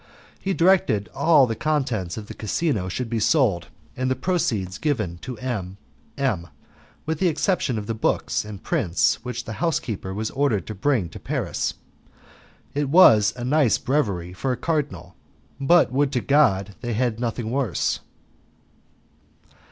He directed that all the contents of the casino should be sold and the proceeds given to M M , with the exception of the books and prints which the housekeeper was ordered to bring to Paris. It was a nice breviary for a cardinal, but would to God they had nothing worse!